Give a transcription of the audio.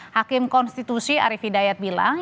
hakim konstitusi arief hidayat bilang